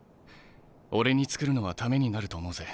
俺に作るのはためになると思うぜ。